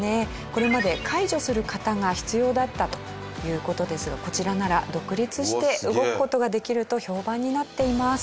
これまで介助する方が必要だったという事ですがこちらなら独立して動く事ができると評判になっています。